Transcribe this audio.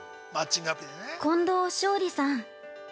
近藤頌利さん。